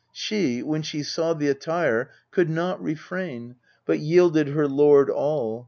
She, when she saw the attire, could not refrain, But yielded her lord all.